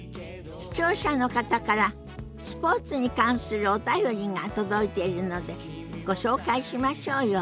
視聴者の方からスポーツに関するお便りが届いているのでご紹介しましょうよ。